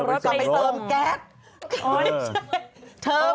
เอารถไปส่งไปเติมแก๊ส